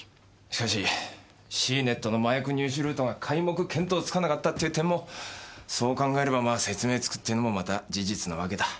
しかしシーネットの麻薬入手ルートが皆目見当つかなかったっていう点もそう考えれば説明つくってのもまた事実なわけだ。